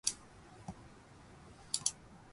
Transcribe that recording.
戦った結果、敗北した。